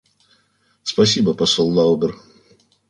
Спасибо, посол Лаубер.